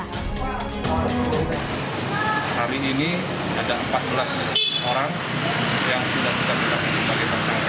hari ini ada empat belas orang yang sudah kita tetapkan sebagai tersangka